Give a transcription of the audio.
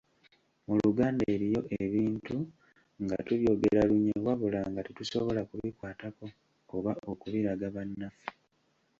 Mu Luganda eriyo ebintu nga tubyogera lunye wabula nga tetusobola kubikwatako oba okubiraga bannaffe